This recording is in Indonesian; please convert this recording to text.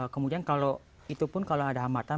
kemudian kalau itu pun kalau ada hambatan